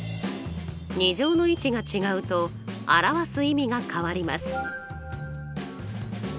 ２乗の位置が違うと表す意味が変わります。